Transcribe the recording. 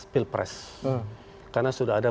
pilpres karena sudah ada